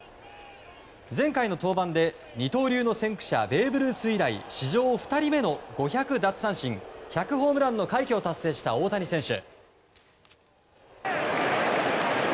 前回の登板で、二刀流の先駆者ベーブ・ルース以来史上２人目の５００奪三振１００ホームランの快挙を達成した大谷選手。